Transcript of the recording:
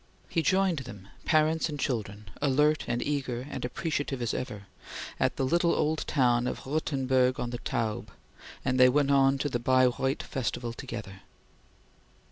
He joined them, parents and children, alert and eager and appreciative as ever, at the little old town of Rothenburg on the Taube, and they went on to the Baireuth festival together.